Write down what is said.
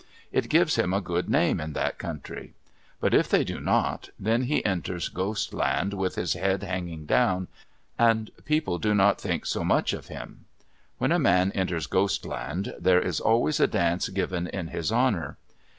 It gives him a good name in that country. But if they do not, then he enters Ghost Land with his head hanging down, and people do not think so much of him. When a man enters Ghost Land there is always a dance given in his honor.